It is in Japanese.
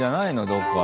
どっか。